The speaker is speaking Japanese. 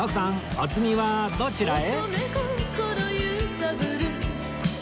お次はどちらへ？